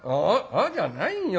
『あ？』じゃないよ。